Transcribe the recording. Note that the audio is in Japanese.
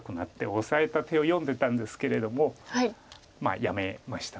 オサえた手を読んでたんですけれどもやめました。